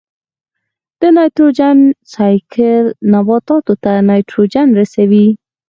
د نایټروجن سائیکل نباتاتو ته نایټروجن رسوي.